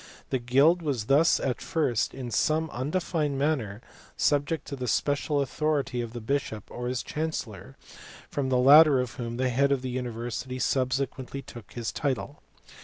The guild was thus at first in some undefined manner subject to the special authority of the bishop or his chancellor, from the latter of whom the head of the university subsequently took his title.